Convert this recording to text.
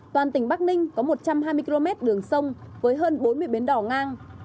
toàn tỉnh bắc ninh có một trăm hai mươi km đường sông với hơn bốn mươi bến đỏ ngang